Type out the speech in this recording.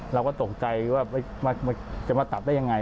เราก็ตกใจว่าจะมาตัดได้ยังไง